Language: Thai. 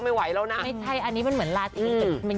ไม่ไหวแล้วนะไม่ใช่อันนี้มันเหมือนลาจริง